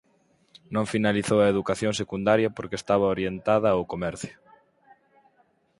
Non finalizou a educación secundaria porque estaba orientada ao comercio.